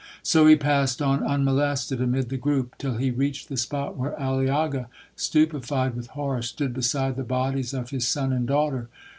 So he passed on unmolested amid the groupe, till he reached the spot where Aliaga, stupified with horror, stood beside the bodies of his son and daughter.